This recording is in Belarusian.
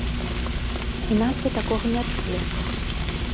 У нас я такога не чула.